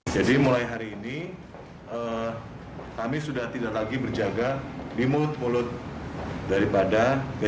jadi mulai hari ini kami sudah tidak lagi berjaga di mulut mulut daripada